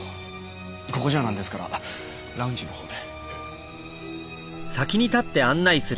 ここじゃなんですからラウンジのほうで。